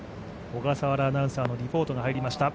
小笠原アナウンサーのリポートが入りました。